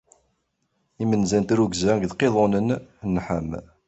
Imenza n tirrugza, deg yiqiḍunen n Ḥam.